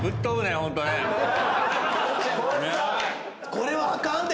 これはあかんで！